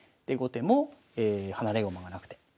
で後手も離れ駒がなくて。